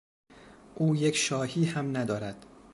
او یک شاهی هم ندارد.